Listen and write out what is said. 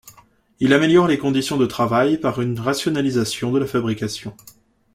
Il améliore les conditions de travail par une rationalisation de la fabrication.